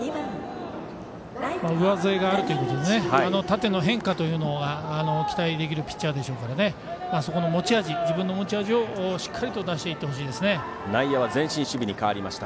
上背があるということで縦の変化というのは期待できるピッチャーでしょうからそこの自分の持ち味をしっかりと出していってほしいですね。